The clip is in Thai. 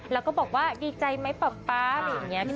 แล้วก็บอกว่าดีใจมั้ยป๊าป๊าหรือแบบนี้